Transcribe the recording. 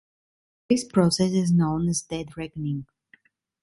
This process is known as dead reckoning.